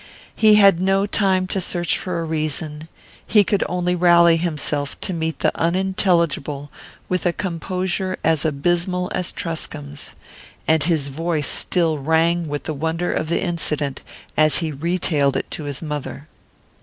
He had no time to search for a reason; he could only rally himself to meet the unintelligible with a composure as abysmal as Truscomb's; and his voice still rang with the wonder of the incident as he retailed it to his mother.